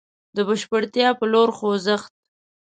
د بشپړتيا په لور خوځښت.